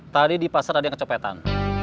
tadi di pasar ada yang kecopetan